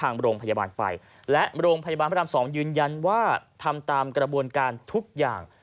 ทางโรงพยาบาลไปและโรงพยาบาลพระราม๒ยืนยันว่าทำตามกระบวนการทุกอย่าง